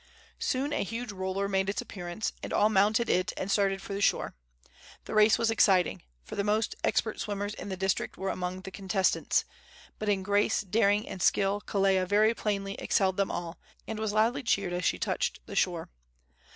Soon a huge roller made its appearance, and all mounted it and started for the shore. The race was exciting, for the most expert swimmers in the district were among the contestants; but in grace, daring and skill Kelea very plainly excelled them all, and was loudly cheered as she touched the shore.